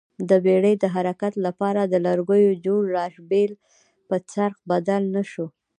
د بېړۍ د حرکت لپاره لرګیو جوړ راشبېل په څرخ بدل نه شو